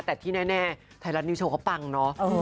แต่ที่แน่ไทยรัฐนิวโชว์เขาปังเนาะ